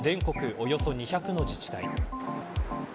およそ２００の自治体。